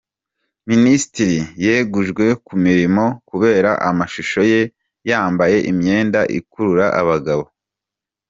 Minisitiri yegujwe ku mirimo, kubera amashusho ye yambaye imyenda ikurura abagabo